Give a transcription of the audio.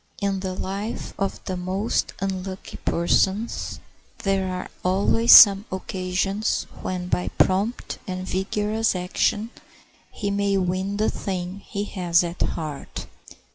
In the life of the most unlucky persons there are always some occasions when by prompt and vigorous action he may win the thing he has at heart.